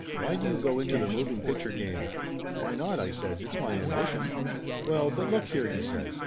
Why do you go into the moving picture game?" "Why not ?" I says. "It's my ambition." "Well, but look here!" he says.